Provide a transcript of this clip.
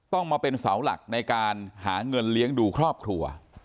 ต้องมาเป็นเสาหลักในการหาเงินเลี้ยงดูครอบครัว